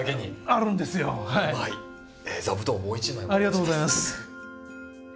ありがとうございます。